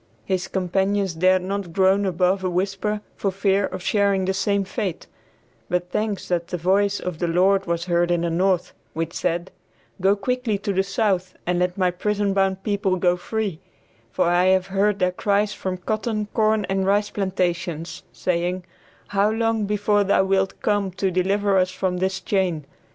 His companions dared not groan above a whisper for fear of sharing the same fate; but thanks that the voice of the Lord was heard in the North, which said, "Go quickly to the South and let my prison bound people go free, for I have heard their cries from cotton, corn and rice plantations, saying, how long before thou wilt come to deliver us from this chain?"